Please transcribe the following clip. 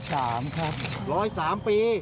กลับวันนั้นไม่เอาหน่อย